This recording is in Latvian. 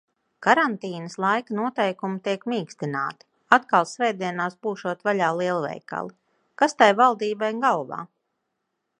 Karantīnas laika noteikumi tiek mīkstināti. Atkal svētdienās būšot vaļā lielveikali. Kas tai valdībai galvā?